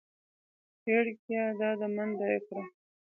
وېړکيه دا ده منډه يې کړه .